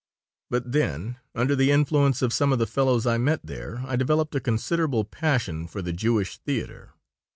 But then, under the influence of some of the fellows I met there, I developed a considerable passion for the Jewish theater.